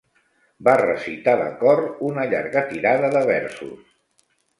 Va recitar de cor una llarga tirada de versos.